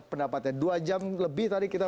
enggak saya ada tujuh